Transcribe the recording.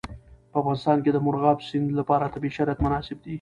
په افغانستان کې د مورغاب سیند لپاره طبیعي شرایط مناسب دي.